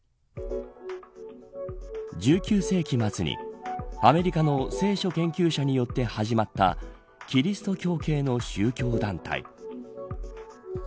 １９世紀末にアメリカの聖書研究者によって始まったキリスト教系の宗教団体。